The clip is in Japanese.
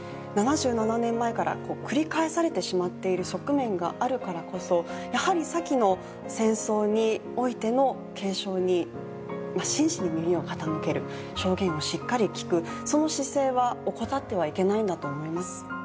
７７年前から繰り返されてしまっている側面があるからこそやはり先の戦争においての警鐘に真摯に耳を傾ける証言をしっかり聴くその姿勢は怠ってはいけないんだと思います